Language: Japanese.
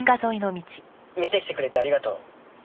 見てきてくれてありがとう。